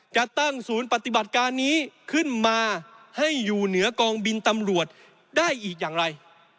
จะตั้งศูนย์ปฏิบัติการนี้ขึ้นมาให้อยู่เหนือกองบินตำรวจได้อีกอย่างไร